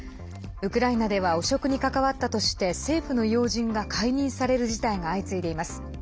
ウクライナでは汚職に関わったとして政府の要人が解任される事態が相次いでいます。